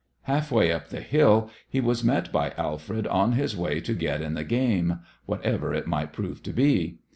Half way up the hill he was met by Alfred on his way to get in the game, whatever it might prove to be.